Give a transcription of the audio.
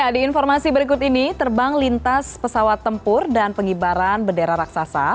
di informasi berikut ini terbang lintas pesawat tempur dan pengibaran bendera raksasa